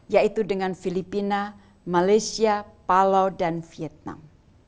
yaitu dengan filipina malaysia palau dan vietnam